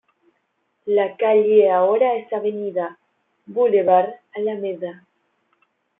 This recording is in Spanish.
La calle ahora es avenida, bulevar, alameda.